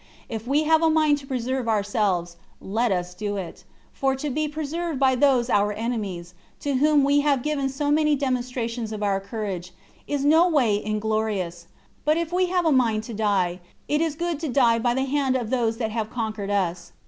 If we have a mind to preserve ourselves, let us do it; for to be preserved by those our enemies, to whom we have given so many demonstrations of our courage, is no way inglorious; but if we have a mind to die, it is good to die by the hand of those that have conquered us.